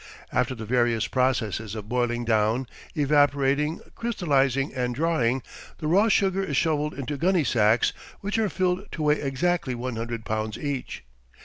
After the various processes of boiling down, evaporating, crystallizing and drying, the raw sugar is shoveled into gunny sacks, which are filled to weigh exactly one hundred pounds each.